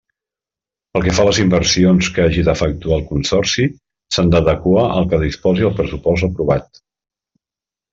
Pel que fa a les inversions que hagi d'efectuar el Consorci, s'han d'adequar al que disposi el pressupost aprovat.